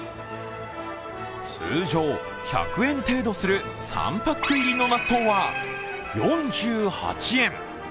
通常、１００円程度する３パック入りの納豆は４８円。